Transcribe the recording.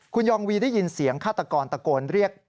คุณยองวีได้ยินเสียงฆาตกรตะโกนเรียก